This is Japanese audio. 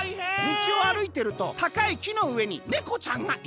「みちをあるいてるとたかいきのうえにねこちゃんがいました。